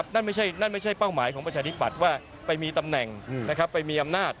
นั่นไม่ใช่นั่นไม่ใช่เป้าหมายของประชาธิปัตย์ว่าไปมีตำแหน่งไปมีอำนาจ